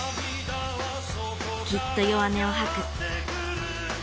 きっと弱音をはく。